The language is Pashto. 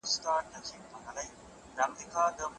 د ناداره خلګو خبري باطلې ګڼل کیږي.